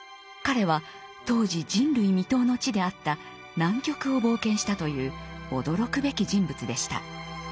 彼は当時人類未踏の地であった南極を冒険したという驚くべき人物でした。